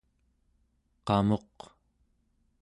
qamuq